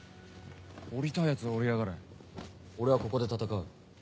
下りたい奴は下りやがれ俺はここで戦う。